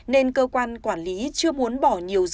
nên cơ quan quản lý chưa muốn bỏ nhiều dự trị